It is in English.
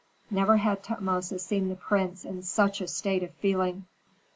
Never had Tutmosis seen the prince in such a state of feeling.